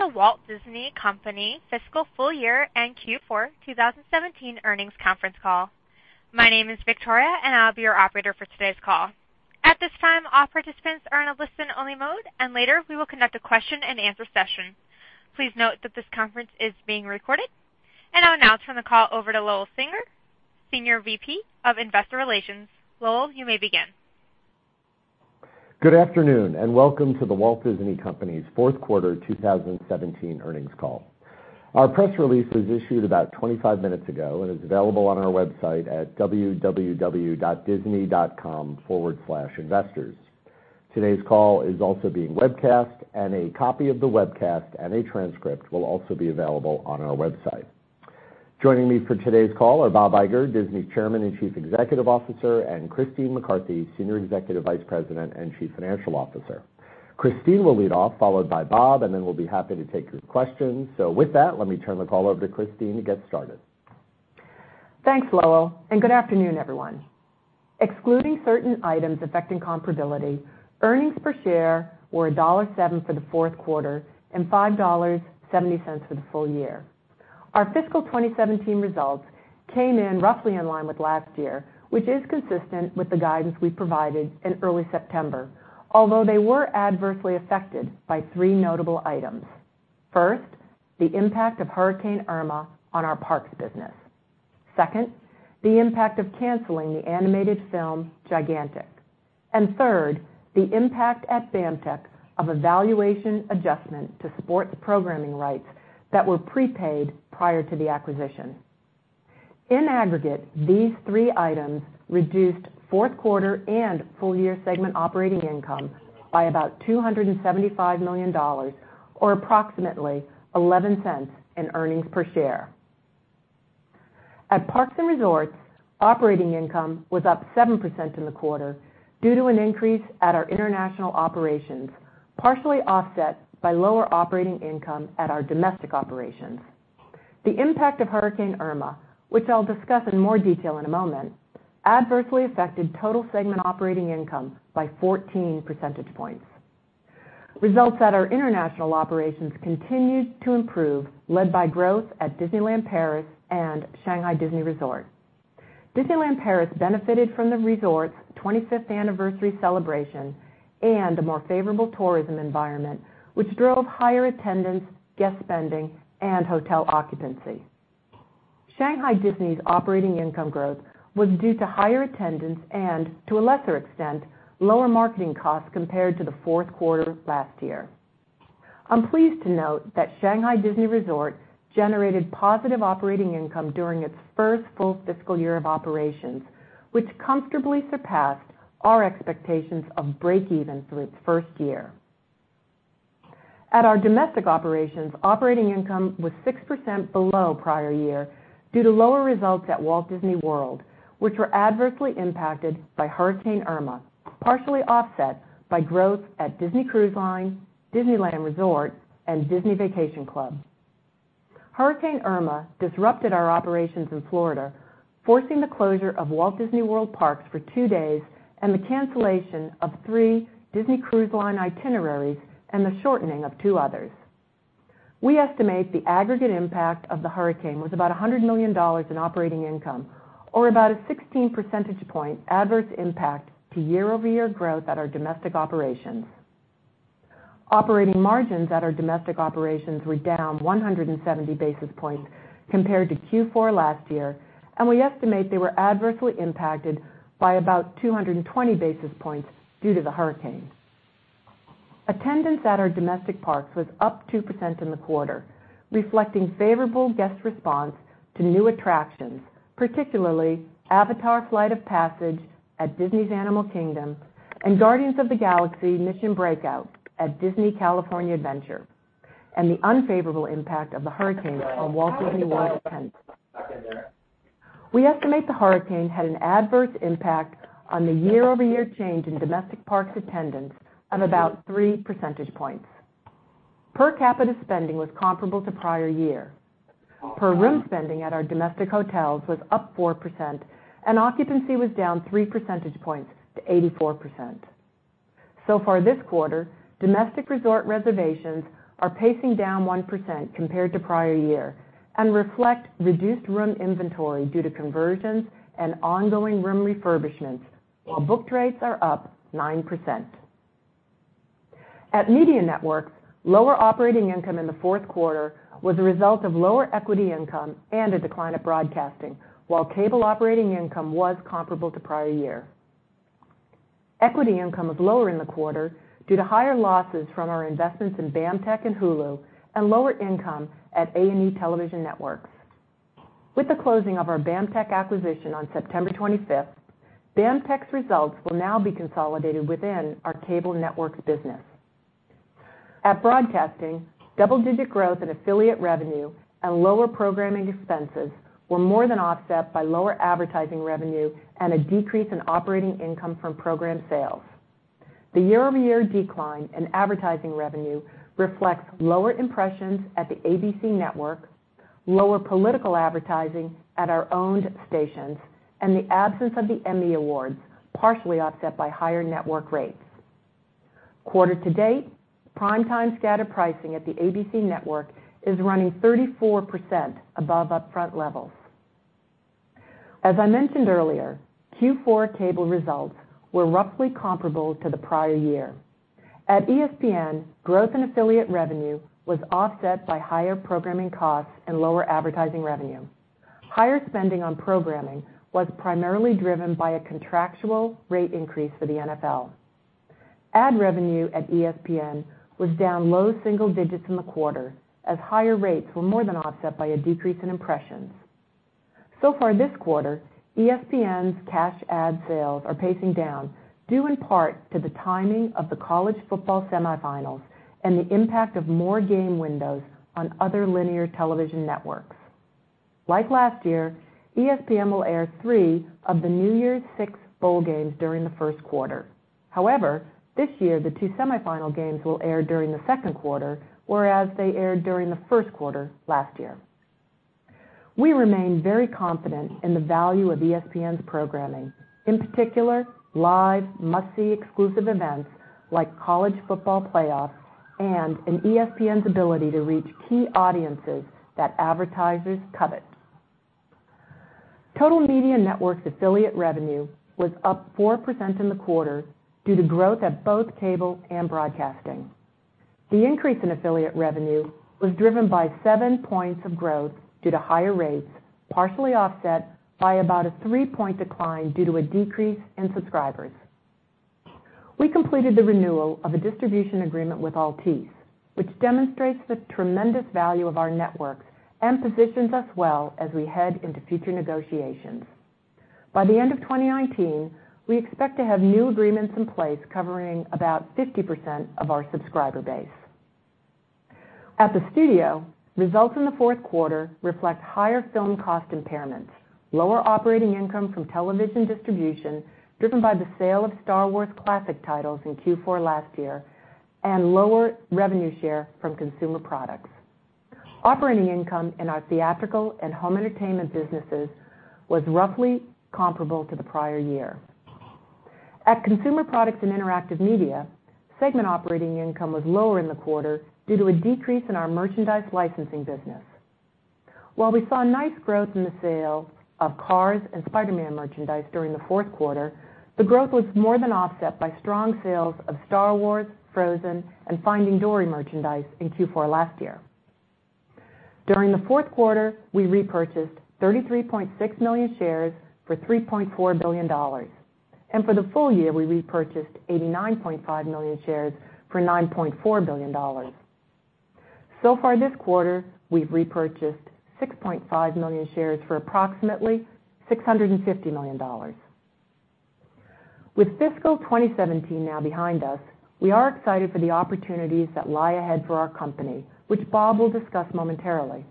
Welcome to The Walt Disney Company fiscal full year and Q4 2017 earnings conference call. My name is Victoria and I'll be your operator for today's call. At this time, all participants are in a listen-only mode, and later we will conduct a question and answer session. Please note that this conference is being recorded. I'll now turn the call over to Lowell Singer, Senior VP of Investor Relations. Lowell, you may begin. Good afternoon, and welcome to The Walt Disney Company's fourth quarter 2017 earnings call. Our press release was issued about 25 minutes ago and is available on our website at www.disney.com/investors. Today's call is also being webcast. A copy of the webcast and a transcript will also be available on our website. Joining me for today's call are Bob Iger, Disney's Chairman and Chief Executive Officer, Christine McCarthy, Senior Executive Vice President and Chief Financial Officer. Christine will lead off, followed by Bob. Then we'll be happy to take your questions. With that, let me turn the call over to Christine to get started. Thanks, Lowell. Good afternoon, everyone. Excluding certain items affecting comparability, earnings per share were $1.07 for the fourth quarter and $5.70 for the full year. Our fiscal 2017 results came in roughly in line with last year, which is consistent with the guidance we provided in early September. Although they were adversely affected by three notable items. First, the impact of Hurricane Irma on our parks business. Second, the impact of canceling the animated film "Gigantic." Third, the impact at BAMTech of a valuation adjustment to sports programming rights that were prepaid prior to the acquisition. In aggregate, these three items reduced fourth quarter and full year segment operating income by about $275 million or approximately $0.11 in earnings per share. At Parks and Resorts, operating income was up 7% in the quarter due to an increase at our international operations, partially offset by lower operating income at our domestic operations. The impact of Hurricane Irma, which I'll discuss in more detail in a moment, adversely affected total segment operating income by 14 percentage points. Results at our international operations continued to improve, led by growth at Disneyland Paris and Shanghai Disney Resort. Disneyland Paris benefited from the resort's 25th anniversary celebration and a more favorable tourism environment, which drove higher attendance, guest spending, hotel occupancy. Shanghai Disney's operating income growth was due to higher attendance and, to a lesser extent, lower marketing costs compared to the fourth quarter of last year. I'm pleased to note that Shanghai Disney Resort generated positive operating income during its first full fiscal year of operations, which comfortably surpassed our expectations of break even through its first year. At our domestic operations, operating income was 6% below prior year due to lower results at Walt Disney World, which were adversely impacted by Hurricane Irma, partially offset by growth at Disney Cruise Line, Disneyland Resort and Disney Vacation Club. Hurricane Irma disrupted our operations in Florida, forcing the closure of Walt Disney World Parks for two days and the cancelation of three Disney Cruise Line itineraries and the shortening of two others. We estimate the aggregate impact of the hurricane was about $100 million in operating income, or about a 16 percentage point adverse impact to year-over-year growth at our domestic operations. Operating margins at our domestic operations were down 170 basis points compared to Q4 last year. We estimate they were adversely impacted by about 220 basis points due to the hurricane. Attendance at our domestic parks was up 2% in the quarter, reflecting favorable guest response to new attractions, particularly Avatar Flight of Passage at Disney's Animal Kingdom and Guardians of the Galaxy: Mission Breakout! at Disney California Adventure. The unfavorable impact of the hurricane on Walt Disney World attendance. We estimate the hurricane had an adverse impact on the year-over-year change in domestic parks attendance of about three percentage points. Per capita spending was comparable to prior year. Per room spending at our domestic hotels was up 4% and occupancy was down three percentage points to 84%. For this quarter, domestic resort reservations are pacing down 1% compared to prior year and reflect reduced room inventory due to conversions and ongoing room refurbishments, while booked rates are up 9%. At Media Networks, lower operating income in the fourth quarter was a result of lower equity income and a decline at broadcasting, while cable operating income was comparable to prior year. Equity income was lower in the quarter due to higher losses from our investments in BAMTech and Hulu, and lower income at A&E Television Networks. With the closing of our BAMTech acquisition on September 25th, BAMTech's results will now be consolidated within our cable networks business. At broadcasting, double-digit growth in affiliate revenue and lower programming expenses were more than offset by lower advertising revenue and a decrease in operating income from program sales. The year-over-year decline in advertising revenue reflects lower impressions at the ABC Network, lower political advertising at our owned stations and the absence of the Emmy Awards, partially offset by higher network rates. Quarter to date, prime time scatter pricing at the ABC Network is running 34% above upfront levels. As I mentioned earlier, Q4 cable results were roughly comparable to the prior year. At ESPN, growth in affiliate revenue was offset by higher programming costs and lower advertising revenue. Higher spending on programming was primarily driven by a contractual rate increase for the NFL. Ad revenue at ESPN was down low single digits in the quarter as higher rates were more than offset by a decrease in impressions. ESPN's cash ad sales are pacing down, due in part to the timing of the college football semifinals and the impact of more game windows on other linear television networks. Like last year, ESPN will air three of the New Year's Six bowl games during the first quarter. However, this year, the two semifinal games will air during the second quarter, whereas they aired during the first quarter last year. We remain very confident in the value of ESPN's programming, in particular, live must-see exclusive events like college football playoffs and in ESPN's ability to reach key audiences that advertisers covet. Total Media Networks affiliate revenue was up 4% in the quarter due to growth at both cable and broadcasting. The increase in affiliate revenue was driven by seven points of growth due to higher rates, partially offset by about a three-point decline due to a decrease in subscribers. We completed the renewal of a distribution agreement with Altice, which demonstrates the tremendous value of our networks and positions us well as we head into future negotiations. By the end of 2019, we expect to have new agreements in place covering about 50% of our subscriber base. At the studio, results in the fourth quarter reflect higher film cost impairments, lower operating income from television distribution, driven by the sale of Star Wars classic titles in Q4 last year, and lower revenue share from Consumer Products. Operating income in our theatrical and home entertainment businesses was roughly comparable to the prior year. At Consumer Products and Interactive Media, segment operating income was lower in the quarter due to a decrease in our merchandise licensing business. While we saw nice growth in the sale of Cars and Spider-Man merchandise during the fourth quarter, the growth was more than offset by strong sales of Star Wars, Frozen, and Finding Dory merchandise in Q4 last year. During the fourth quarter, we repurchased 33.6 million shares for $3.4 billion. For the full year, we repurchased 89.5 million shares for $9.4 billion. So far this quarter, we've repurchased 6.5 million shares for approximately $650 million. With fiscal 2017 now behind us, we are excited for the opportunities that lie ahead for our company, which Bob will discuss momentarily.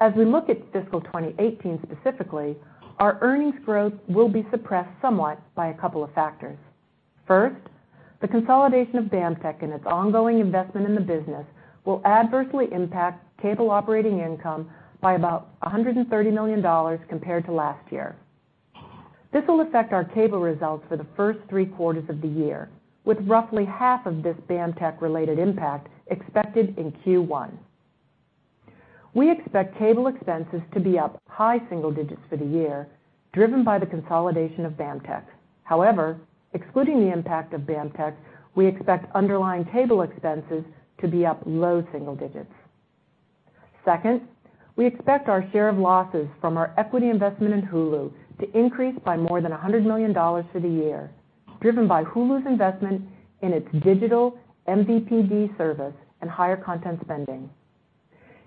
As we look at fiscal 2018 specifically, our earnings growth will be suppressed somewhat by a couple of factors. First, the consolidation of BAMTech and its ongoing investment in the business will adversely impact cable operating income by about $130 million compared to last year. This will affect our cable results for the first three quarters of the year, with roughly half of this BAMTech-related impact expected in Q1. We expect cable expenses to be up high single digits for the year, driven by the consolidation of BAMTech. However, excluding the impact of BAMTech, we expect underlying cable expenses to be up low single digits. Second, we expect our share of losses from our equity investment in Hulu to increase by more than $100 million for the year, driven by Hulu's investment in its digital MVPD service and higher content spending.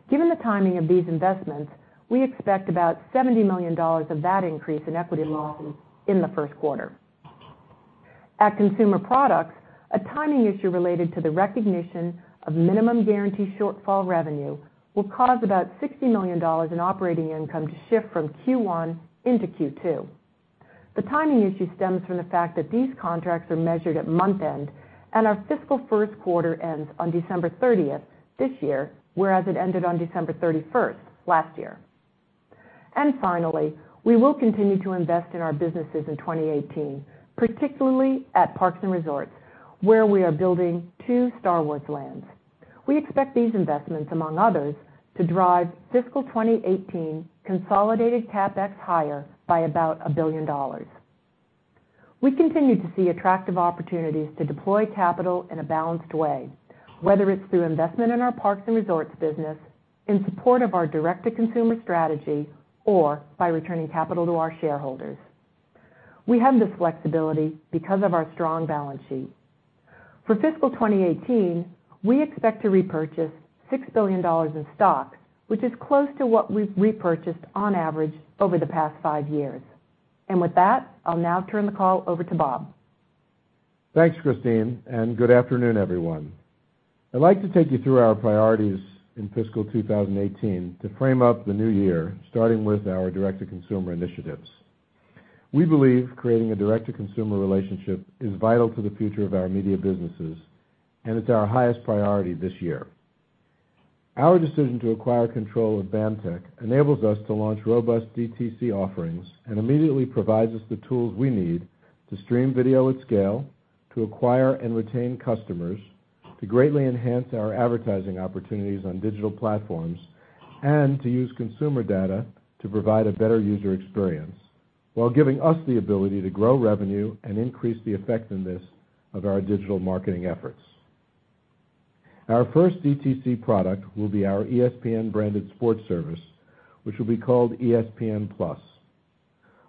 Given the timing of these investments, we expect about $70 million of that increase in equity losses in the first quarter. At Consumer Products, a timing issue related to the recognition of minimum guarantee shortfall revenue will cause about $60 million in operating income to shift from Q1 into Q2. The timing issue stems from the fact that these contracts are measured at month-end, and our fiscal first quarter ends on December 30th this year, whereas it ended on December 31st last year. Finally, we will continue to invest in our businesses in 2018, particularly at Parks and Resorts, where we are building two Star Wars lands. We expect these investments, among others, to drive fiscal 2018 consolidated CapEx higher by about $1 billion. We continue to see attractive opportunities to deploy capital in a balanced way, whether it's through investment in our Parks and Resorts business, in support of our direct-to-consumer strategy, or by returning capital to our shareholders. We have this flexibility because of our strong balance sheet. For fiscal 2018, we expect to repurchase $6 billion in stock, which is close to what we've repurchased on average over the past five years. With that, I'll now turn the call over to Bob. Thanks, Christine, and good afternoon, everyone. I'd like to take you through our priorities in fiscal 2018 to frame up the new year, starting with our direct-to-consumer initiatives. We believe creating a direct-to-consumer relationship is vital to the future of our media businesses, and it's our highest priority this year. Our decision to acquire control of BAMTech enables us to launch robust DTC offerings and immediately provides us the tools we need to stream video at scale, to acquire and retain customers, to greatly enhance our advertising opportunities on digital platforms, and to use consumer data to provide a better user experience while giving us the ability to grow revenue and increase the effectiveness of our digital marketing efforts. Our first DTC product will be our ESPN-branded sports service, which will be called ESPN+.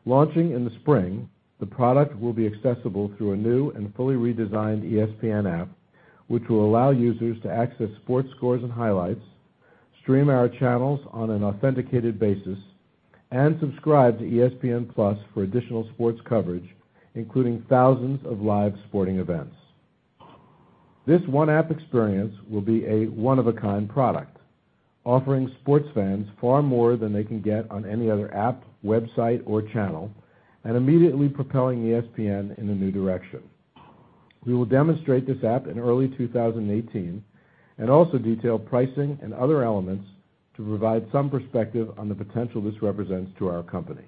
Launching in the spring, the product will be accessible through a new and fully redesigned ESPN app, which will allow users to access sports scores and highlights, stream our channels on an authenticated basis, and subscribe to ESPN+ for additional sports coverage, including thousands of live sporting events. This one-app experience will be a one-of-a-kind product, offering sports fans far more than they can get on any other app, website, or channel, and immediately propelling ESPN in a new direction. We will demonstrate this app in early 2018 and also detail pricing and other elements to provide some perspective on the potential this represents to our company.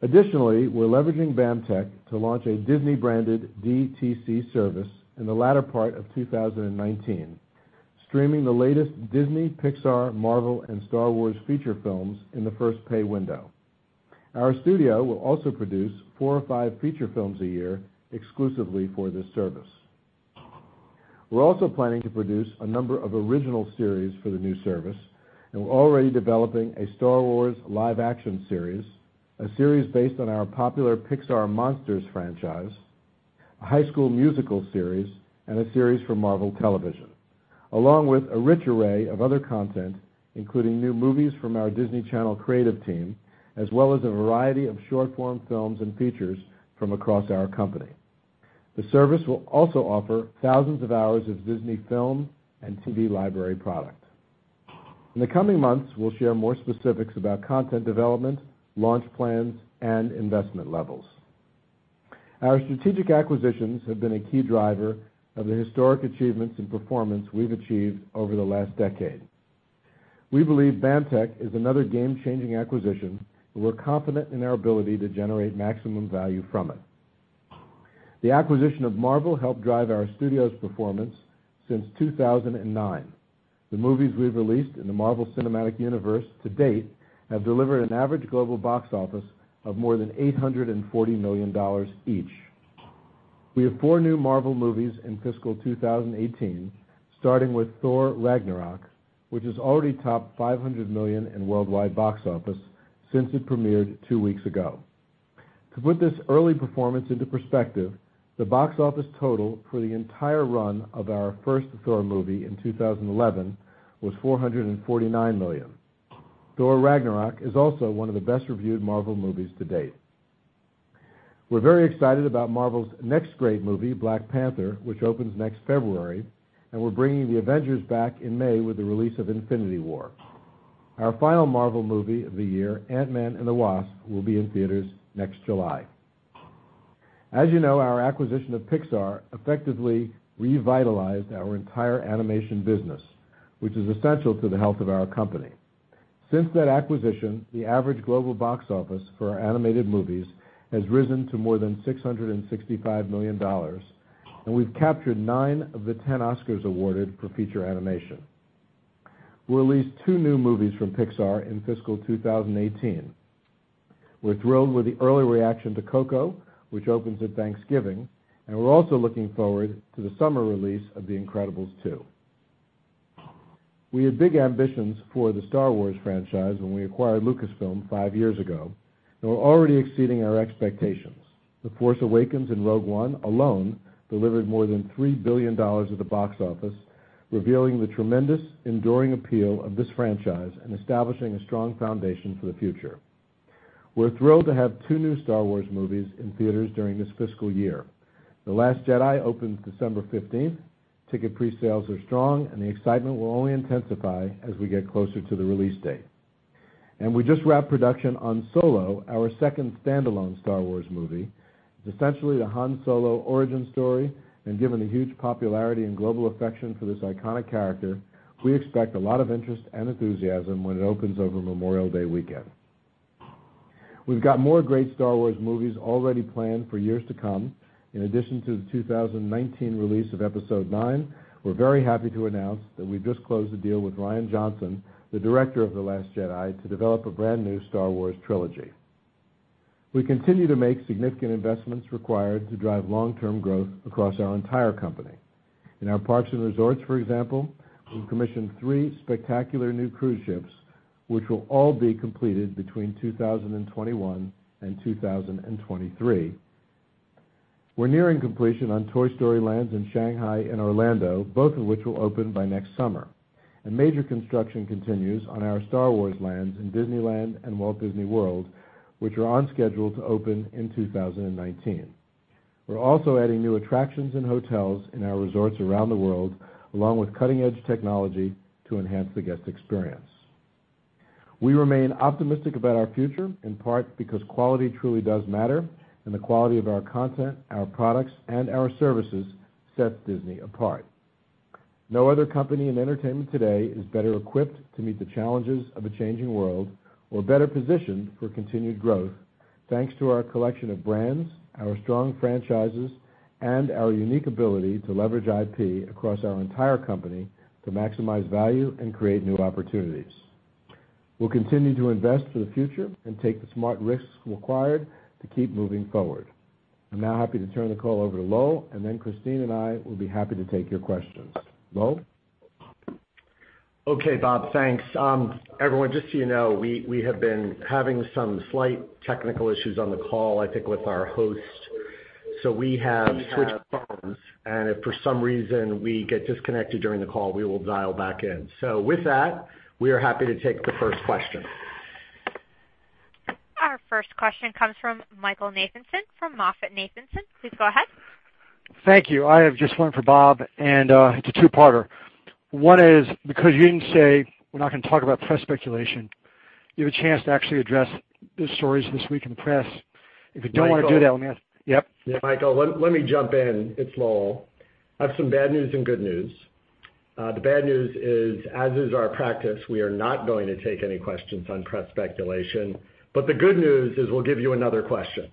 Additionally, we're leveraging BAMTech to launch a Disney-branded DTC service in the latter part of 2019, streaming the latest Disney, Pixar, Marvel, and Star Wars feature films in the first pay window. Our studio will also produce four or five feature films a year exclusively for this service. We're also planning to produce a number of original series for the new service, we're already developing a Star Wars live action series, a series based on our popular Pixar Monsters, Inc. franchise, a High School Musical series, a series from Marvel Television, along with a rich array of other content, including new movies from our Disney Channel creative team, as well as a variety of short-form films and features from across our company. The service will also offer thousands of hours of Disney film and TV library product. In the coming months, we'll share more specifics about content development, launch plans, and investment levels. Our strategic acquisitions have been a key driver of the historic achievements and performance we've achieved over the last decade. We believe BAMTech is another game-changing acquisition, we're confident in our ability to generate maximum value from it. The acquisition of Marvel helped drive our studio's performance since 2009. The movies we've released in the Marvel Cinematic Universe to date have delivered an average global box office of more than $840 million each. We have four new Marvel movies in fiscal 2018, starting with Thor: Ragnarok, which has already topped $500 million in worldwide box office since it premiered two weeks ago. To put this early performance into perspective, the box office total for the entire run of our first Thor movie in 2011 was $449 million. Thor: Ragnarok is also one of the best-reviewed Marvel movies to date. We're very excited about Marvel's next great movie, Black Panther, which opens next February, we're bringing the Avengers back in May with the release of Infinity War. Our final Marvel movie of the year, Ant-Man and the Wasp, will be in theaters next July. As you know, our acquisition of Pixar effectively revitalized our entire animation business, which is essential to the health of our company. Since that acquisition, the average global box office for our animated movies has risen to more than $665 million, we've captured nine of the 10 Oscars awarded for feature animation. We'll release two new movies from Pixar in fiscal 2018. We're thrilled with the early reaction to Coco, which opens at Thanksgiving, we're also looking forward to the summer release of The Incredibles 2. We had big ambitions for the Star Wars franchise when we acquired Lucasfilm five years ago, we're already exceeding our expectations. The Force Awakens and Rogue One alone delivered more than $3 billion at the box office, revealing the tremendous enduring appeal of this franchise establishing a strong foundation for the future. We're thrilled to have two new Star Wars movies in theaters during this fiscal year. The Last Jedi opens December 15th. Ticket presales are strong, the excitement will only intensify as we get closer to the release date. We just wrapped production on Solo, our second standalone Star Wars movie. It's essentially the Han Solo origin story, given the huge popularity and global affection for this iconic character, we expect a lot of interest and enthusiasm when it opens over Memorial Day weekend. We've got more great Star Wars movies already planned for years to come. In addition to the 2019 release of Episode IX, we're very happy to announce that we just closed a deal with Rian Johnson, the director of The Last Jedi, to develop a brand-new Star Wars trilogy. We continue to make significant investments required to drive long-term growth across our entire company. In our parks and resorts, for example, we've commissioned three spectacular new cruise ships, which will all be completed between 2021 and 2023. We're nearing completion on Toy Story Lands in Shanghai and Orlando, both of which will open by next summer. Major construction continues on our Star Wars: Galaxy's Edge in Disneyland and Walt Disney World, which are on schedule to open in 2019. We're also adding new attractions and hotels in our resorts around the world, along with cutting-edge technology to enhance the guest experience. We remain optimistic about our future, in part because quality truly does matter, and the quality of our content, our products, and our services sets Disney apart. No other company in entertainment today is better equipped to meet the challenges of a changing world or better positioned for continued growth, thanks to our collection of brands, our strong franchises, and our unique ability to leverage IP across our entire company to maximize value and create new opportunities. We'll continue to invest for the future and take the smart risks required to keep moving forward. I'm now happy to turn the call over to Lowell, Christine and I will be happy to take your questions. Lowell? Okay, Bob, thanks. Everyone, just so you know, we have been having some slight technical issues on the call, I think with our host. We have switched phones, if for some reason we get disconnected during the call, we will dial back in. With that, we are happy to take the first question. Our first question comes from Michael Nathanson from MoffettNathanson. Please go ahead. Thank you. I have just one for Bob, it's a two-parter. One is, because you didn't say we're not going to talk about press speculation, do you have a chance to actually address the stories this week in the press? If you don't want to do that, let me ask. Michael. Yep. Yeah, Michael, let me jump in. It's Lowell. I have some bad news and good news. The bad news is, as is our practice, we are not going to take any questions on press speculation. The good news is we'll give you another question.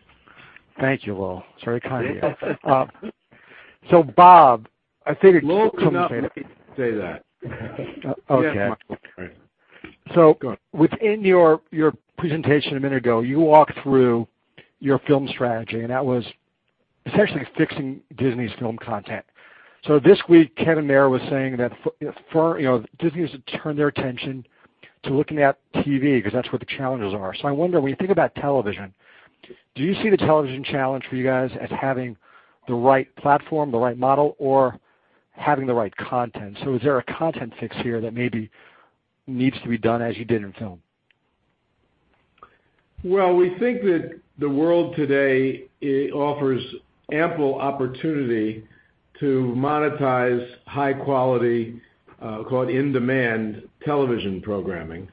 Thank you, Lowell. It's very kind of you. Bob, I think. Lowell did not want me to say that. Okay. Yes, Michael. Go ahead. Within your presentation a minute ago, you walked through your film strategy, and that was essentially fixing Disney's film content. This week, Ken Auletta was saying that Disney needs to turn their attention to looking at TV because that's where the challenges are. I wonder, when you think about television, do you see the television challenge for you guys as having the right platform, the right model, or having the right content? Is there a content fix here that maybe needs to be done as you did in film? Well, we think that the world today offers ample opportunity to monetize high-quality, call it in-demand television programming.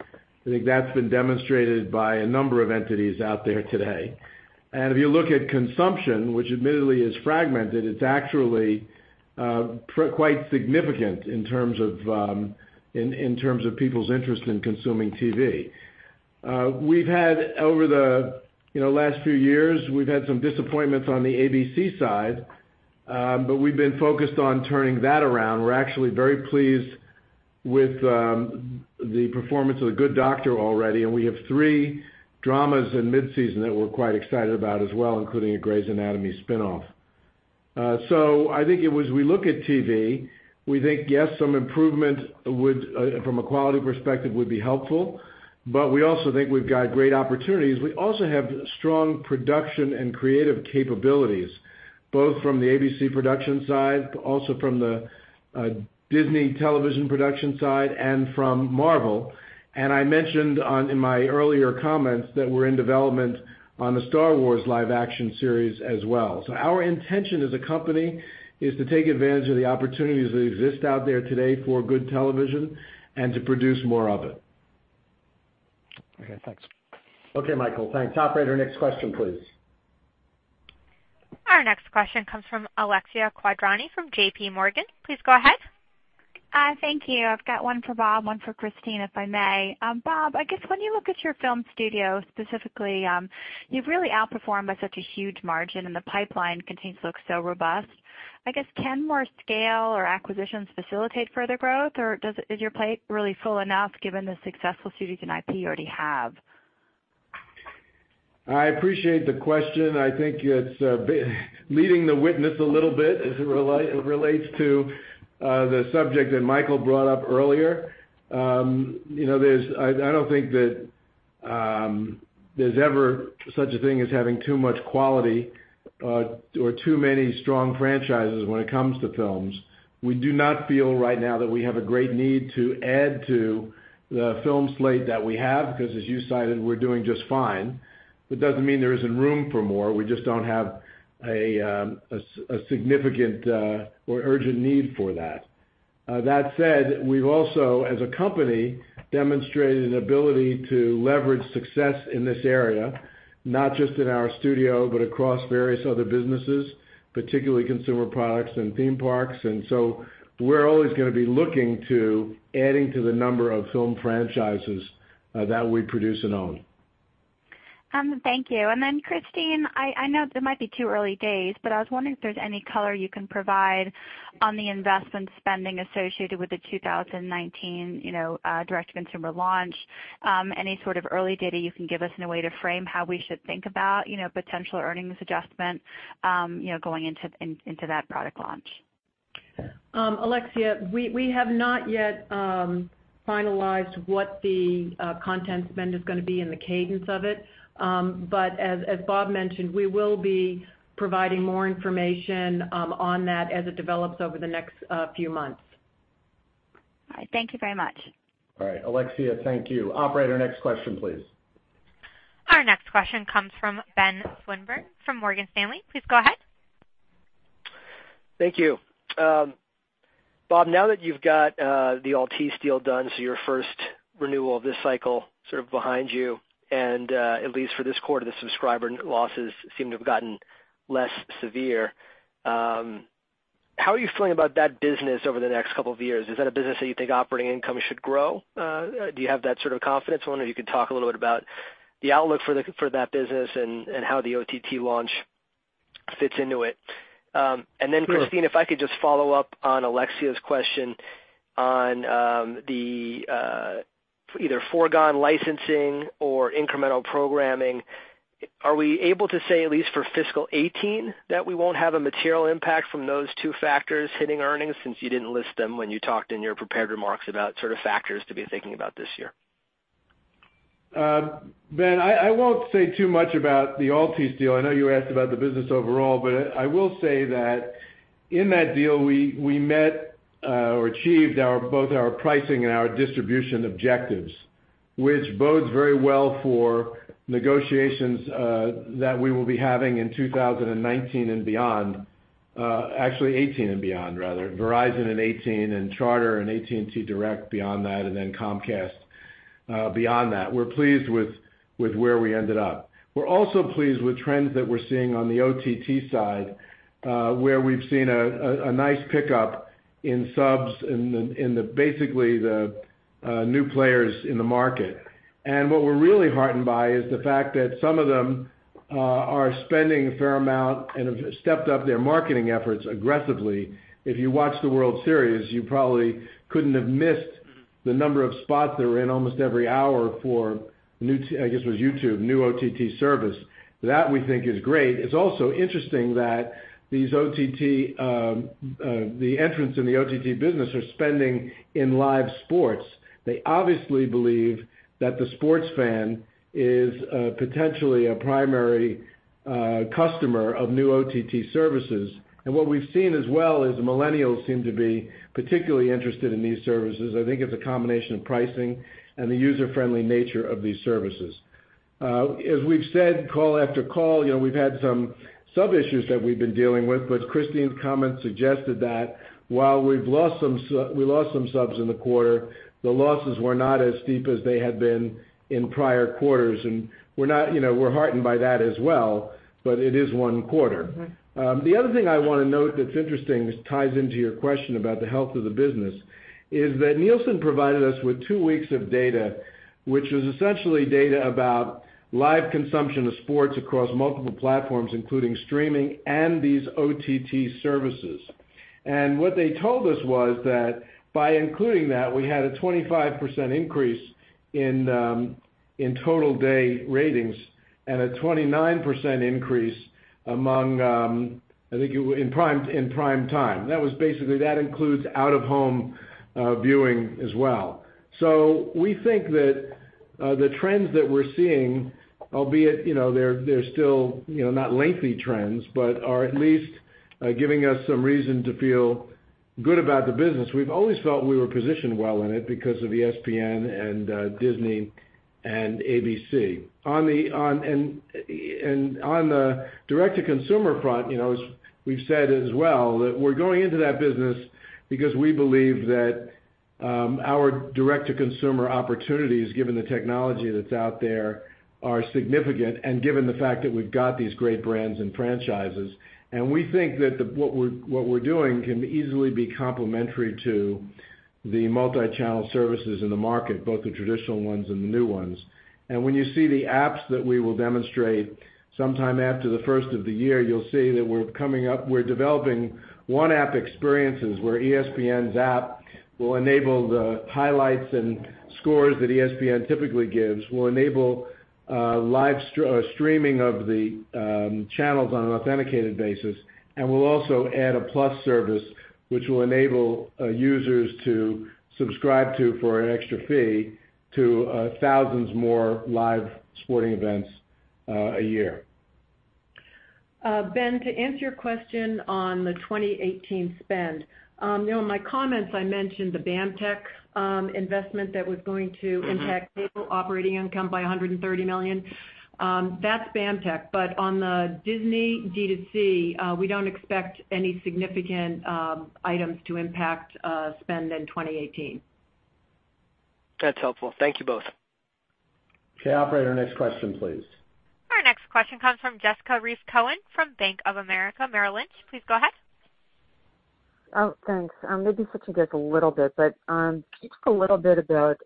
I think that's been demonstrated by a number of entities out there today. If you look at consumption, which admittedly is fragmented, it's actually quite significant in terms of people's interest in consuming TV. Over the last few years, we've had some disappointments on the ABC side, but we've been focused on turning that around. We're actually very pleased with the performance of "The Good Doctor" already, and we have three dramas in mid-season that we're quite excited about as well, including a "Grey's Anatomy" spinoff. I think as we look at TV, we think, yes, some improvement from a quality perspective would be helpful, but we also think we've got great opportunities. We also have strong production and creative capabilities, both from the ABC production side, but also from the Disney television production side and from Marvel. I mentioned in my earlier comments that we're in development on the "Star Wars" live-action series as well. Our intention as a company is to take advantage of the opportunities that exist out there today for good television and to produce more of it. Okay, thanks. Okay, Michael, thanks. Operator, next question, please. Our next question comes from Alexia Quadrani from J.P. Morgan. Please go ahead. Thank you. I've got one for Bob, one for Christine, if I may. Bob, I guess when you look at your film studio specifically, you've really outperformed by such a huge margin and the pipeline continues to look so robust. I guess, can more scale or acquisitions facilitate further growth? Is your plate really full enough given the successful studios and IP you already have? I appreciate the question. I think it's leading the witness a little bit as it relates to the subject that Michael brought up earlier. I don't think that there's ever such a thing as having too much quality or too many strong franchises when it comes to films. We do not feel right now that we have a great need to add to the film slate that we have because, as you cited, we're doing just fine. Doesn't mean there isn't room for more. We just don't have a significant or urgent need for that. That said, we've also, as a company, demonstrated an ability to leverage success in this area, not just in our studio, but across various other businesses, particularly consumer products and theme parks. We're always going to be looking to adding to the number of film franchises that we produce and own. Thank you. Christine, I know it might be too early days, but I was wondering if there's any color you can provide on the investment spending associated with the 2019 direct-to-consumer launch. Any sort of early data you can give us in a way to frame how we should think about potential earnings adjustment going into that product launch? Alexia, we have not yet finalized what the content spend is going to be and the cadence of it. As Bob mentioned, we will be providing more information on that as it develops over the next few months. All right. Thank you very much. All right, Alexia, thank you. Operator, next question, please. Our next question comes from Ben Swinburne from Morgan Stanley. Please go ahead. Thank you. Bob, now that you've got the Altice deal done, your first renewal of this cycle sort of behind you, and at least for this quarter, the subscriber losses seem to have gotten less severe. How are you feeling about that business over the next couple of years? Is that a business that you think operating income should grow? Do you have that sort of confidence? I wonder if you could talk a little bit about the outlook for that business and how the OTT launch fits into it. Christine, if I could just follow up on Alexia's question on the either foregone licensing or incremental programming. Are we able to say, at least for fiscal 2018, that we won't have a material impact from those two factors hitting earnings since you didn't list them when you talked in your prepared remarks about sort of factors to be thinking about this year? Ben, I won't say too much about the Altice deal. I know you asked about the business overall, I will say that in that deal we met or achieved both our pricing and our distribution objectives, which bodes very well for negotiations that we will be having in 2019 and beyond. Actually 2018 and beyond rather. Verizon in 2018 and Charter and AT&T/DirecTV beyond that, Comcast beyond that. We're pleased with where we ended up. We're also pleased with trends that we're seeing on the OTT side, where we've seen a nice pickup in subs in basically the new players in the market. What we're really heartened by is the fact that some of them are spending a fair amount and have stepped up their marketing efforts aggressively. If you watched the World Series, you probably couldn't have missed the number of spots that were in almost every hour for, I guess it was YouTube, new OTT service. That we think is great. It's also interesting that the entrants in the OTT business are spending in live sports. They obviously believe that the sports fan is potentially a primary customer of new OTT services. What we've seen as well is millennials seem to be particularly interested in these services. I think it's a combination of pricing and the user-friendly nature of these services. As we've said call after call, we've had some sub issues that we've been dealing with, Christine's comments suggested that while we lost some subs in the quarter, the losses were not as steep as they had been in prior quarters, and we're heartened by that as well, but it is one quarter. The other thing I want to note that's interesting, this ties into your question about the health of the business, is that Nielsen provided us with two weeks of data, which was essentially data about live consumption of sports across multiple platforms, including streaming and these OTT services. What they told us was that by including that, we had a 25% increase in total day ratings and a 27% increase in prime time. That includes out-of-home viewing as well. We think that the trends that we're seeing, albeit, they're still not lengthy trends, but are at least giving us some reason to feel good about the business. We've always felt we were positioned well in it because of ESPN and Disney and ABC. On the direct-to-consumer front, as we've said as well, that we're going into that business because we believe that our direct-to-consumer opportunities, given the technology that's out there, are significant, and given the fact that we've got these great brands and franchises. We think that what we're doing can easily be complementary to the multi-channel services in the market, both the traditional ones and the new ones. When you see the apps that we will demonstrate sometime after the first of the year, you'll see that we're developing one app experiences where ESPN's app will enable the highlights and scores that ESPN typically gives, will enable live streaming of the channels on an authenticated basis, and will also add a plus service which will enable users to subscribe to for an extra fee to thousands more live sporting events a year. Ben, to answer your question on the 2018 spend. In my comments, I mentioned the BAMTech investment that was going to impact cable operating income by $130 million. That's BAMTech. On the Disney D2C, we don't expect any significant items to impact spend in 2018. That's helpful. Thank you both. Okay, operator, next question, please. Our next question comes from Jessica Reif Cohen from Bank of America Merrill Lynch. Please go ahead. Oh, thanks. Maybe switching gears a little bit, Can you talk a little bit about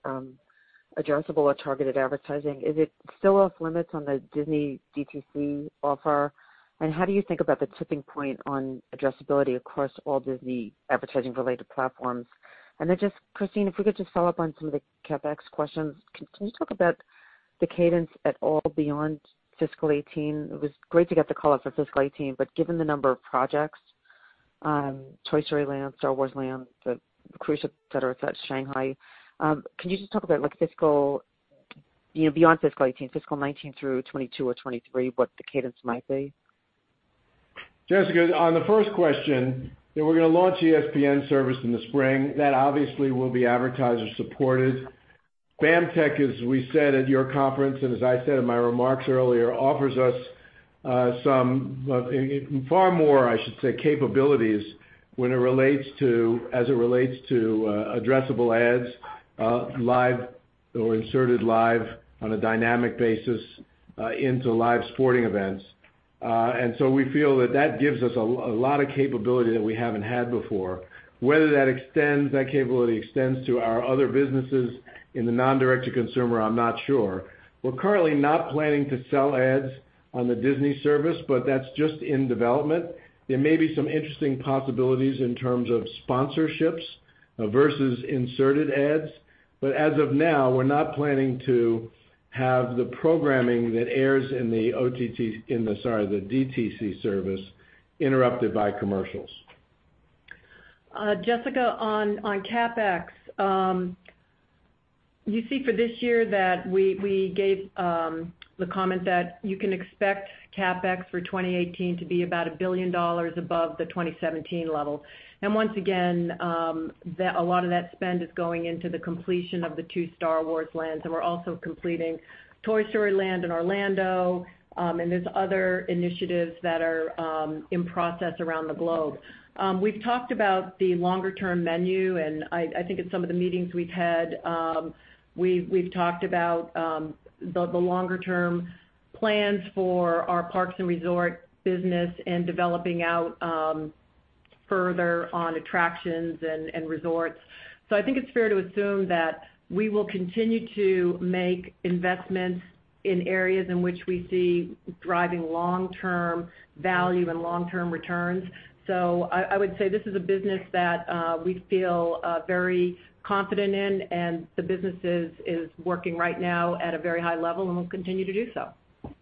addressable or targeted advertising? Is it still off limits on the Disney D2C offer? How do you think about the tipping point on addressability across all Disney advertising related platforms? Then just Christine, if we could just follow up on some of the CapEx questions. Can you talk about the cadence at all beyond fiscal 2018? It was great to get the call out for fiscal 2018, but given the number of projects, Toy Story Land, Star Wars Land, the cruise ship, et cetera, et cetera, Shanghai. Can you just talk about beyond fiscal 2018, fiscal 2019 through 2022 or 2023, what the cadence might be? Jessica, on the first question, we're going to launch ESPN service in the spring. That obviously will be advertiser supported. BAMTech, as we said at your conference, and as I said in my remarks earlier, offers us far more, I should say, capabilities as it relates to addressable ads or inserted live on a dynamic basis into live sporting events. We feel that that gives us a lot of capability that we haven't had before. Whether that capability extends to our other businesses in the non-direct-to-consumer, I'm not sure. We're currently not planning to sell ads on the Disney service, but that's just in development. There may be some interesting possibilities in terms of sponsorships versus inserted ads. As of now, we're not planning to have the programming that airs in the DTC service interrupted by commercials. Jessica, on CapEx. You see for this year that we gave the comment that you can expect CapEx for 2018 to be about $1 billion above the 2017 level. Once again a lot of that spend is going into the completion of the two Star Wars Lands, and we're also completing Toy Story Land in Orlando. There's other initiatives that are in process around the globe. We've talked about the longer-term menu, and I think in some of the meetings we've had, we've talked about the longer-term plans for our parks and resort business and developing out further on attractions and resorts. I think it's fair to assume that we will continue to make investments in areas in which we see driving long-term value and long-term returns. I would say this is a business that we feel very confident in and the business is working right now at a very high level and will continue to do so.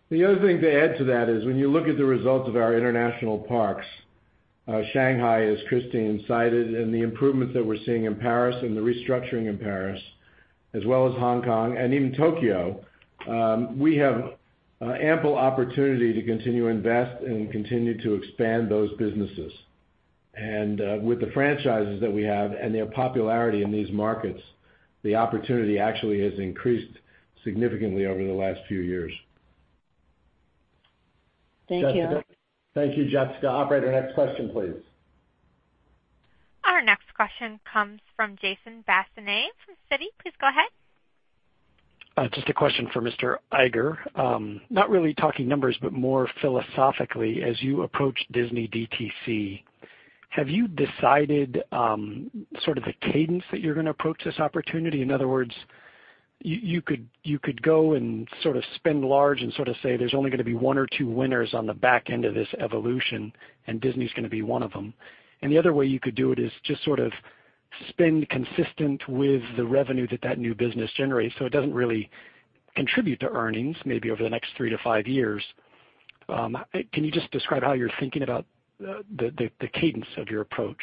The other thing to add to that is when you look at the results of our international parks, Shanghai, as Christine cited, and the improvements that we're seeing in Paris and the restructuring in Paris, as well as Hong Kong and even Tokyo, we have ample opportunity to continue to invest and continue to expand those businesses. With the franchises that we have and their popularity in these markets, the opportunity actually has increased significantly over the last few years. Thank you. Thank you, Jessica. Operator, next question, please. Our next question comes from Jason Bazinet from Citi. Please go ahead. Just a question for Mr. Iger. Not really talking numbers, but more philosophically, as you approach Disney DTC, have you decided the cadence that you're going to approach this opportunity? In other words, you could go and spend large and say there's only going to be one or two winners on the back end of this evolution and Disney's going to be one of them. The other way you could do it is just spend consistent with the revenue that that new business generates so it doesn't really contribute to earnings maybe over the next three to five years. Can you just describe how you're thinking about the cadence of your approach?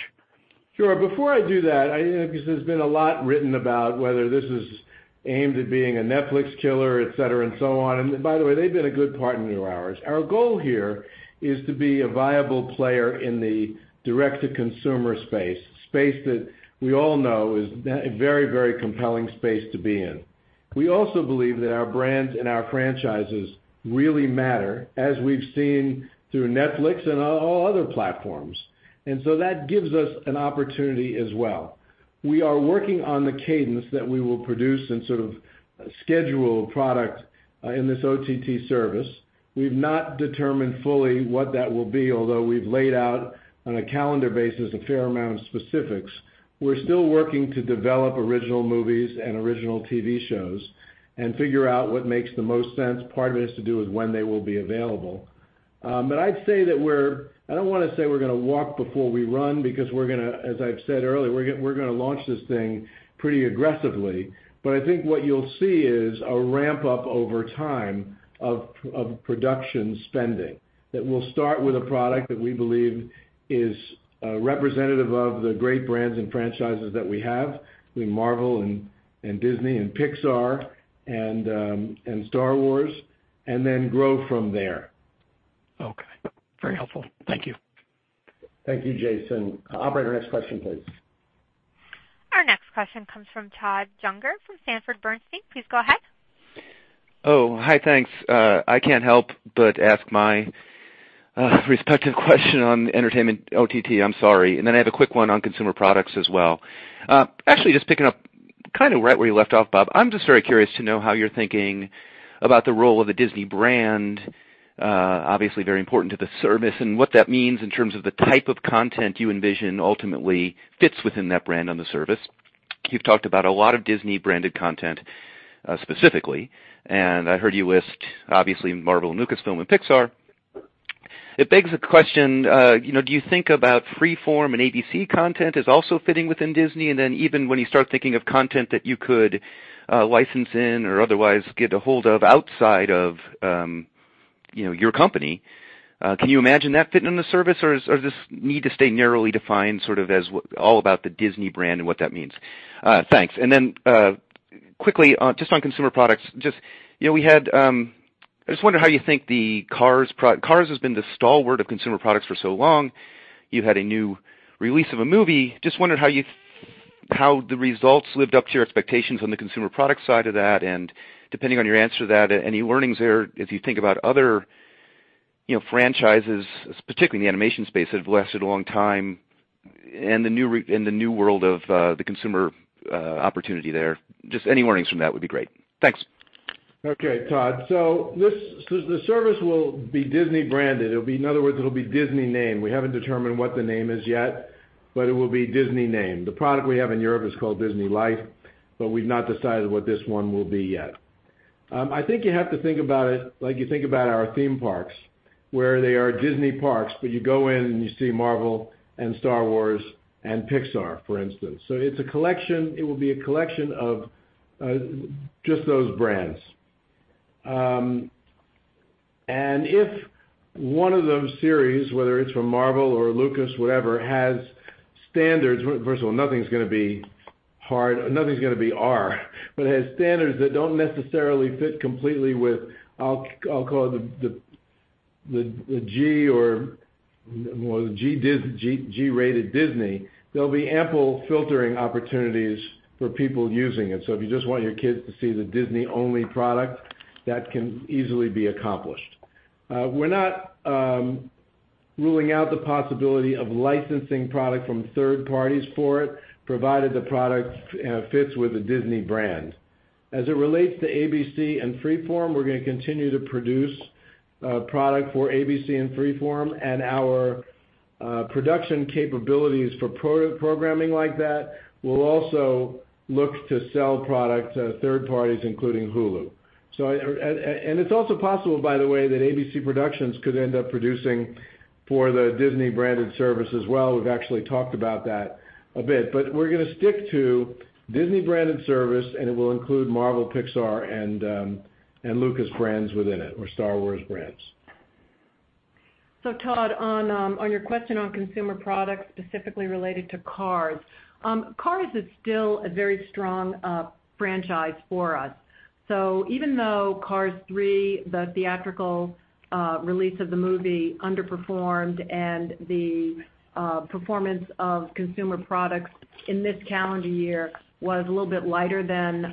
Sure. Before I do that, because there has been a lot written about whether this is aimed at being a Netflix killer, et cetera, and so on. By the way, they've been a good partner of ours. Our goal here is to be a viable player in the direct-to-consumer space. Space that we all know is a very compelling space to be in. We also believe that our brands and our franchises really matter, as we've seen through Netflix and all other platforms. That gives us an opportunity as well. We are working on the cadence that we will produce and schedule a product in this OTT service. We've not determined fully what that will be, although we've laid out on a calendar basis a fair amount of specifics. We're still working to develop original movies and original TV shows and figure out what makes the most sense. Part of it has to do with when they will be available. I don't want to say we're going to walk before we run because as I've said earlier, we're going to launch this thing pretty aggressively. I think what you'll see is a ramp-up over time of production spending that will start with a product that we believe is representative of the great brands and franchises that we have, between Marvel and Disney and Pixar and Star Wars, and then grow from there. Okay. Very helpful. Thank you. Thank you, Jason. Operator, next question, please. Our next question comes from Todd Juenger from Sanford C. Bernstein. Please go ahead. Hi, thanks. I can't help but ask my respective question on entertainment OTT, I'm sorry. I have a quick one on consumer products as well. Actually, just picking up right where you left off, Bob. I'm just very curious to know how you're thinking about the role of the Disney brand, obviously very important to the service and what that means in terms of the type of content you envision ultimately fits within that brand on the service. You've talked about a lot of Disney-branded content specifically, and I heard you list obviously Marvel and Lucasfilm and Pixar. It begs the question, do you think about Freeform and ABC content as also fitting within Disney? Even when you start thinking of content that you could license in or otherwise get a hold of outside of your company, can you imagine that fitting in the service or is this need to stay narrowly defined as all about the Disney brand and what that means? Thanks. Quickly, just on consumer products. I just wonder how you think the Cars product. Cars has been the stalwart of consumer products for so long. You had a new release of a movie. I just wondered how the results lived up to your expectations on the consumer products side of that, and depending on your answer to that, any learnings there, if you think about other franchises, particularly in the animation space, that have lasted a long time in the new world of the consumer opportunity there. Just any learnings from that would be great. Thanks. Okay, Todd. The service will be Disney branded. In other words, it'll be Disney named. We haven't determined what the name is yet, but it will be Disney named. The product we have in Europe is called DisneyLife, We've not decided what this one will be yet. I think you have to think about it like you think about our theme parks, where they are Disney parks, but you go in and you see Marvel and Star Wars and Pixar, for instance. It will be a collection of just those brands. If one of those series, whether it's from Marvel or Lucas, whatever, has standards. First of all, nothing's going to be R. Has standards that don't necessarily fit completely with, I'll call it the G-rated Disney, there'll be ample filtering opportunities for people using it. If you just want your kids to see the Disney-only product, that can easily be accomplished. We're not ruling out the possibility of licensing product from third parties for it, provided the product fits with the Disney brand. As it relates to ABC and Freeform, we're going to continue to produce product for ABC and Freeform and our production capabilities for programming like that will also look to sell product to third parties, including Hulu. It's also possible, by the way, that ABC Productions could end up producing for the Disney branded service as well. We've actually talked about that a bit. We're going to stick to Disney branded service, and it will include Marvel, Pixar, and Lucas brands within it, or Star Wars brands. Todd, on your question on consumer products, specifically related to Cars. Cars is still a very strong franchise for us. Even though Cars 3, the theatrical release of the movie, underperformed and the performance of consumer products in this calendar year was a little bit lighter than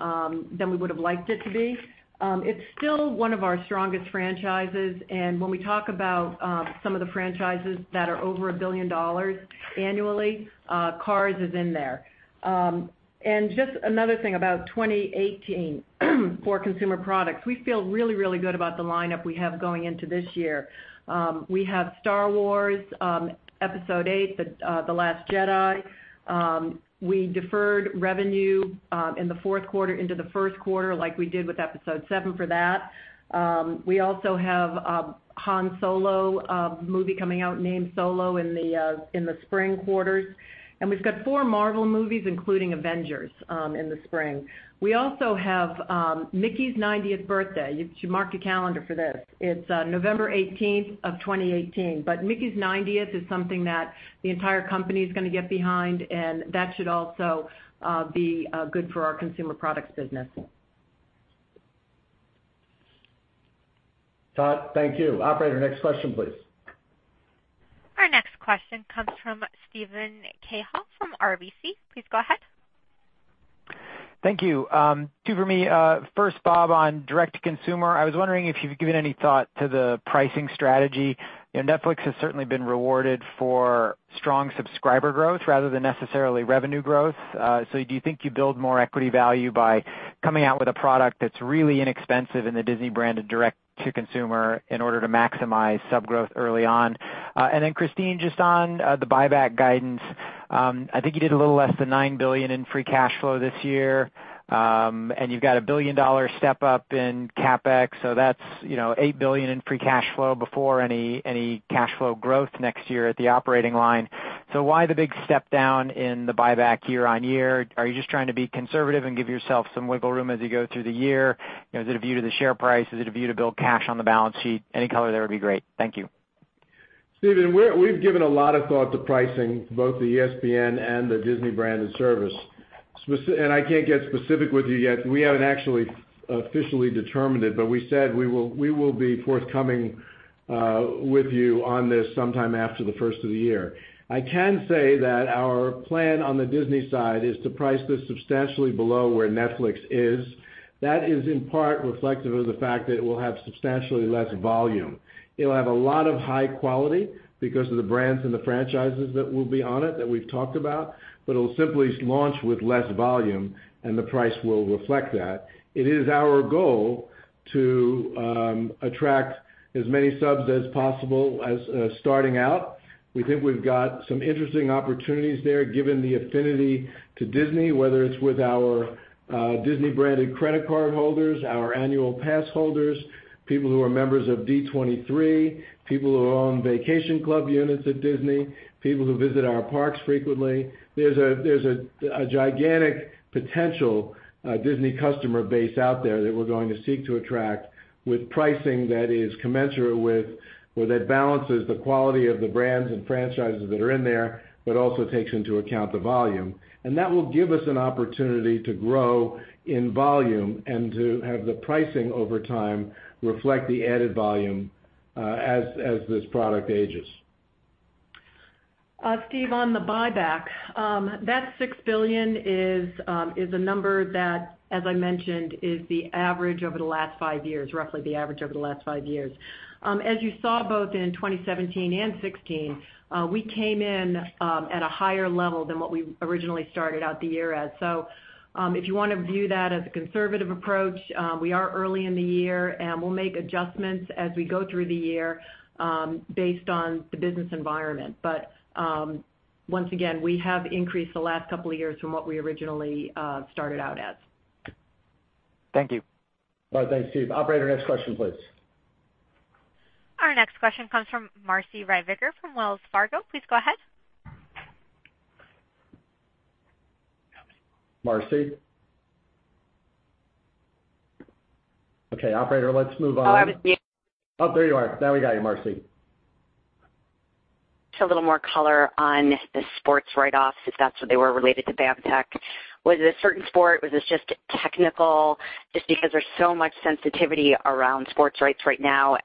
we would have liked it to be, it's still one of our strongest franchises. When we talk about some of the franchises that are over $1 billion annually, Cars is in there. Just another thing about 2018 for consumer products, we feel really, really good about the lineup we have going into this year. We have Star Wars Episode VIII: The Last Jedi. We deferred revenue in the fourth quarter into the first quarter like we did with Episode VII for that. We also have a Han Solo movie coming out named Solo in the spring quarters. We've got four Marvel movies, including Avengers in the spring. We also have Mickey's 90th birthday. You should mark your calendar for this. It's November 18th of 2018. Mickey's 90th is something that the entire company is going to get behind, and that should also be good for our consumer products business. Todd, thank you. Operator, next question, please. Our next question comes from Steven Cahall from RBC. Please go ahead. Thank you. Two for me. First, Bob, on direct to consumer, I was wondering if you've given any thought to the pricing strategy. Netflix has certainly been rewarded for strong subscriber growth rather than necessarily revenue growth. Do you think you build more equity value by coming out with a product that's really inexpensive in the Disney brand of direct to consumer in order to maximize sub growth early on? Christine, just on the buyback guidance. I think you did a little less than $9 billion in free cash flow this year. You've got a $1 billion step-up in CapEx, that's $8 billion in free cash flow before any cash flow growth next year at the operating line. Why the big step down in the buyback year-on-year? Are you just trying to be conservative and give yourself some wiggle room as you go through the year? Is it a view to the share price? Is it a view to build cash on the balance sheet? Any color there would be great. Thank you. Steven, we've given a lot of thought to pricing, both the ESPN and the Disney branded service. I can't get specific with you yet. We haven't actually officially determined it, but we said we will be forthcoming with you on this sometime after the first of the year. I can say that our plan on the Disney side is to price this substantially below where Netflix is. That is in part reflective of the fact that it will have substantially less volume. It'll have a lot of high quality because of the brands and the franchises that will be on it that we've talked about, but it'll simply launch with less volume, and the price will reflect that. It is our goal to attract as many subs as possible starting out. We think we've got some interesting opportunities there, given the affinity to Disney, whether it's with our Disney branded credit card holders, our annual pass holders, people who are members of D23, people who own vacation club units at Disney, people who visit our parks frequently. There's a gigantic potential Disney customer base out there that we're going to seek to attract with pricing that balances the quality of the brands and franchises that are in there, but also takes into account the volume. That will give us an opportunity to grow in volume and to have the pricing over time reflect the added volume As this product ages. Steve, on the buyback, that $6 billion is a number that, as I mentioned, is roughly the average over the last five years. As you saw, both in 2017 and 2016, we came in at a higher level than what we originally started out the year at. If you want to view that as a conservative approach, we are early in the year, and we'll make adjustments as we go through the year based on the business environment. Once again, we have increased the last couple of years from what we originally started out as. Thank you. All right. Thanks, Steve. Operator, next question, please. Our next question comes from Marci Ryvicker from Wells Fargo. Please go ahead. Marci? Okay, operator, let's move on. Oh, I was muted. Oh, there you are. Now we got you, Marci. A little more color on the sports write-offs, if that's what they were related to BAMTech. Was it a certain sport? Was this just technical? Just because there's so much sensitivity around sports rights now.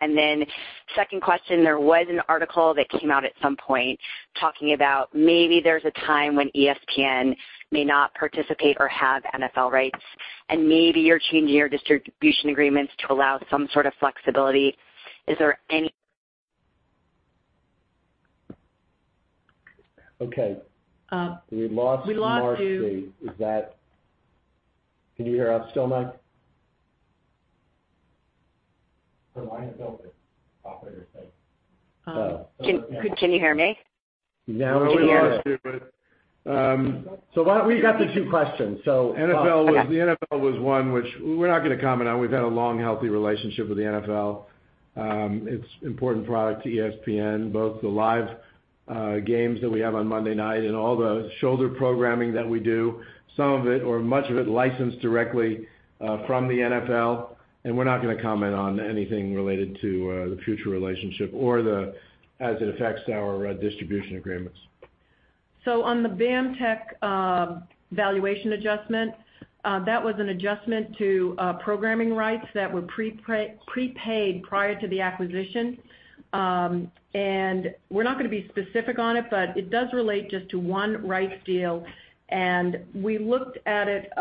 Second question, there was an article that came out at some point talking about maybe there's a time when ESPN may not participate or have NFL rights, and maybe you're changing your distribution agreements to allow some sort of flexibility. Is there any- Okay. We lost Marci. We lost you. Can you hear us still, Mike? Her line is open. Operator said. Can you hear me? Now we can. No, we lost you. We got the two questions. NFL was one which we're not going to comment on. We've had a long, healthy relationship with the NFL. It's important product to ESPN, both the live games that we have on Monday night and all the shoulder programming that we do, some of it or much of it licensed directly from the NFL. We're not going to comment on anything related to the future relationship or as it affects our distribution agreements. On the BAMTech valuation adjustment, that was an adjustment to programming rights that were prepaid prior to the acquisition. We're not going to be specific on it, but it does relate just to one rights deal. We looked at it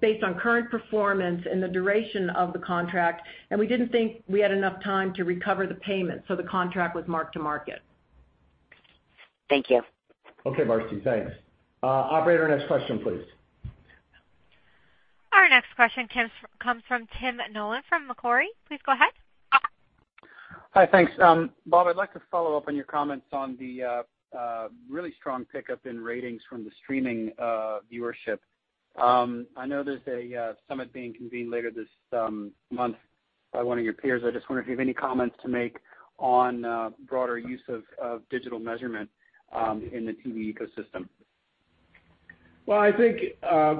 based on current performance and the duration of the contract, and we didn't think we had enough time to recover the payment, so the contract was marked to market. Thank you. Okay, Marci. Thanks. Operator, next question, please. Our next question comes from Tim Nollen from Macquarie. Please go ahead. Hi. Thanks. Bob, I'd like to follow up on your comments on the really strong pickup in ratings from the streaming viewership. I know there's a summit being convened later this month by one of your peers. I just wonder if you have any comments to make on broader use of digital measurement in the TV ecosystem. Well, I think,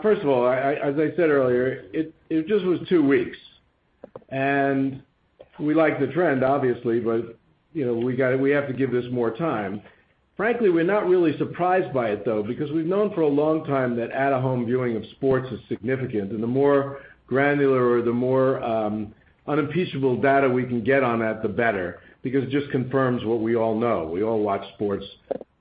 first of all, as I said earlier, it just was two weeks. We like the trend, obviously, but we have to give this more time. Frankly, we're not really surprised by it, though, because we've known for a long time that at-home viewing of sports is significant. The more granular or the more unimpeachable data we can get on that, the better, because it just confirms what we all know. We all watch sports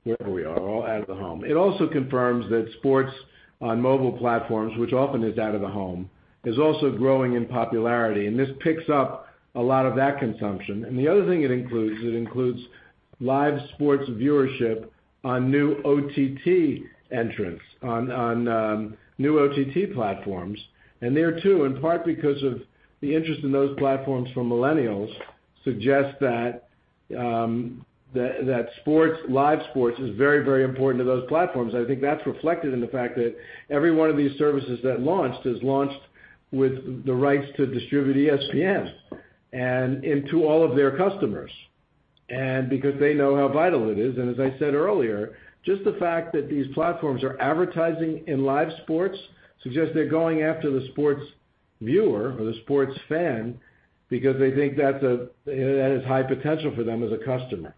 wherever we are, all out of the home. It also confirms that sports on mobile platforms, which often is out of the home, is also growing in popularity, and this picks up a lot of that consumption. The other thing it includes, it includes live sports viewership on new OTT entrants, on new OTT platforms. There too, in part because of the interest in those platforms from millennials, suggests that live sports is very important to those platforms. I think that's reflected in the fact that every one of these services that launched is launched with the rights to distribute ESPN and into all of their customers because they know how vital it is. As I said earlier, just the fact that these platforms are advertising in live sports suggests they're going after the sports viewer or the sports fan because they think that has high potential for them as a customer.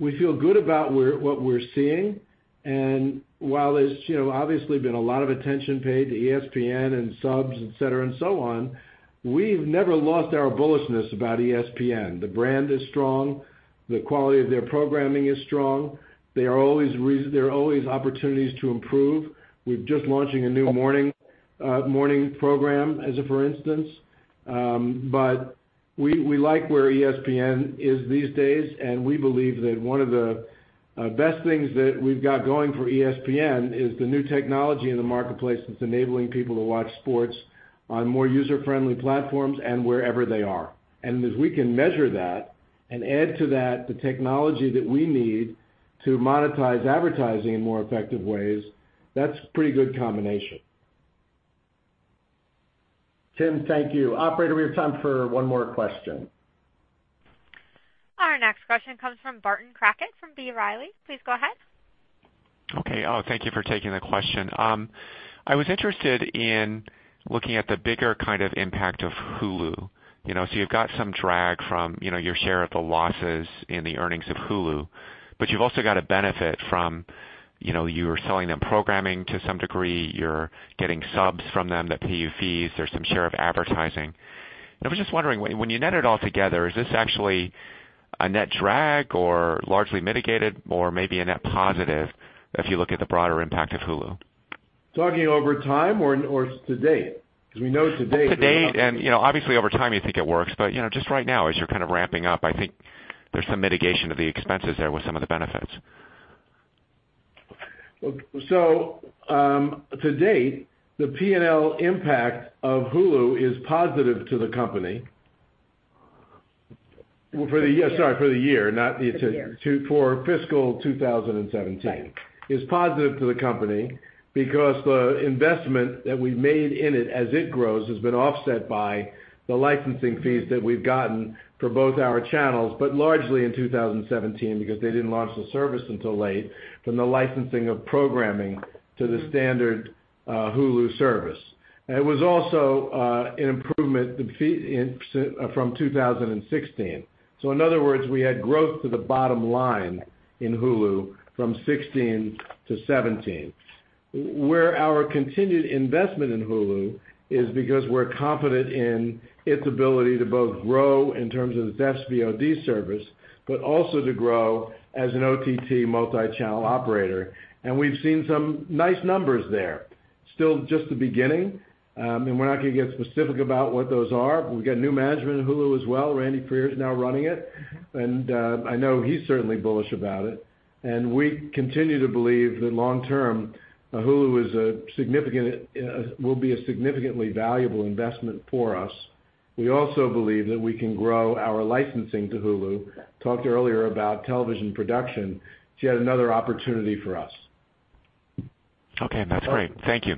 We feel good about what we're seeing. While there's obviously been a lot of attention paid to ESPN and subs, et cetera, and so on, we've never lost our bullishness about ESPN. The brand is strong. The quality of their programming is strong. There are always opportunities to improve. We're just launching a new morning program as of for instance. We like where ESPN is these days, we believe that one of the best things that we've got going for ESPN is the new technology in the marketplace that's enabling people to watch sports on more user-friendly platforms and wherever they are. If we can measure that and add to that the technology that we need to monetize advertising in more effective ways, that's a pretty good combination. Tim, thank you. Operator, we have time for one more question. Our next question comes from Barton Crockett from B. Riley. Please go ahead. Okay. Thank you for taking the question. I was interested in looking at the bigger impact of Hulu. You've got some drag from your share of the losses in the earnings of Hulu, you've also got a benefit from you are selling them programming to some degree, you're getting subs from them that pay you fees. There's some share of advertising. I was just wondering, when you net it all together, is this actually a net drag or largely mitigated or maybe a net positive if you look at the broader impact of Hulu? Talking over time or to date? Because we know to date. To date, and obviously over time you think it works. Just right now as you're ramping up, I think there's some mitigation of the expenses there with some of the benefits. To date, the P&L impact of Hulu is positive to the company. Sorry, for the year. For the year. for fiscal 2017. Right. Is positive to the company because the investment that we've made in it as it grows has been offset by the licensing fees that we've gotten for both our channels, but largely in 2017 because they didn't launch the service until late from the licensing of programming to the standard Hulu service. It was also an improvement from 2016. In other words, we had growth to the bottom line in Hulu from 2016 to 2017, where our continued investment in Hulu is because we're confident in its ability to both grow in terms of the SVOD service, but also to grow as an OTT multi-channel operator. We've seen some nice numbers there. Still just the beginning. We're not going to get specific about what those are. We've got new management at Hulu as well. Randy Freer is now running it, and I know he's certainly bullish about it, and we continue to believe that long term, Hulu will be a significantly valuable investment for us. We also believe that we can grow our licensing to Hulu. Talked earlier about television production. It's yet another opportunity for us. Okay. That's great. Thank you.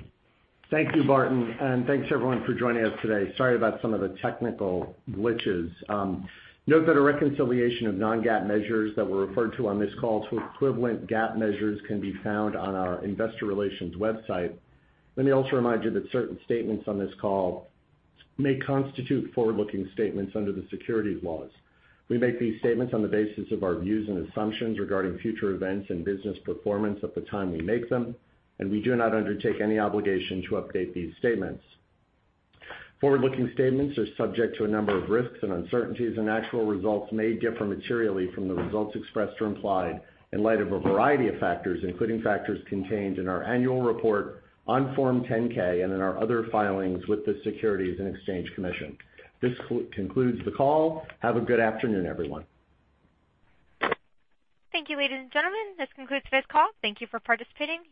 Thank you, Barton, and thanks everyone for joining us today. Sorry about some of the technical glitches. Note that a reconciliation of non-GAAP measures that were referred to on this call to equivalent GAAP measures can be found on our investor relations website. Let me also remind you that certain statements on this call may constitute forward-looking statements under the securities laws. We make these statements on the basis of our views and assumptions regarding future events and business performance at the time we make them, and we do not undertake any obligation to update these statements. Forward-looking statements are subject to a number of risks and uncertainties, and actual results may differ materially from the results expressed or implied in light of a variety of factors, including factors contained in our annual report on Form 10-K and in our other filings with the Securities and Exchange Commission. This concludes the call. Have a good afternoon, everyone. Thank you, ladies and gentlemen. This concludes today's call. Thank you for participating.